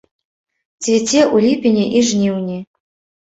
Цвіце ў ліпені і жніўні.